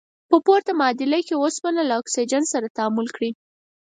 په پورته معادله کې اوسپنې له اکسیجن سره تعامل کړی.